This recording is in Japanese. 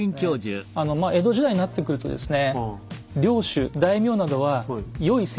江戸時代になってくるとですね